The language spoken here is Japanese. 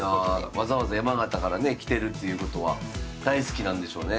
わざわざ山形からね来てるっていうことは大好きなんでしょうね。